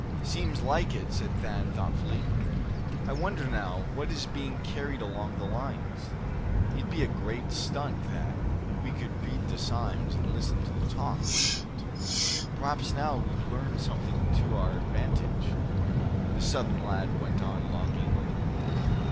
"Seems like it," said Thad, thoughtfully. "I wonder now, what is being carried along the lines? It'd be a great stunt, Thad, if we could read the signs, and listen to the talk, wouldn't it? P'raps now we'd learn something to our advantage," the Southern lad went on, longingly.